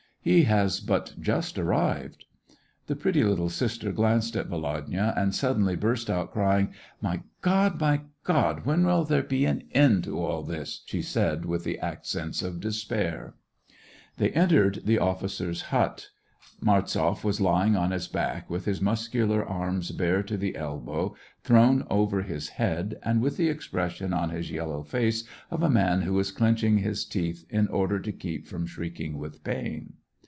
" He has but just arrived." The pretty little sister glanced at Volodya, and suddenly burst out crying. " My God ! my God ! when will there be an end to all this }" she said, with the accents of despair. They entered the SEVASTOPOL IN AUGUST. ij^ officer's hut. Martzoff was lying on his back, with his muscular arms, bare to the elbow, thrown over his head, and with the expression on his yel low face of a man who is clenching his teeth in order to keep from shrieking with pain.